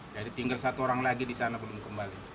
jadi tinggal satu orang lagi di sana belum kembali